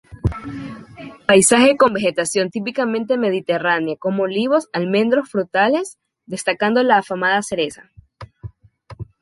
Paisaje con vegetación típicamente mediterránea como olivos, almendros, frutales, destacando la afamada cereza.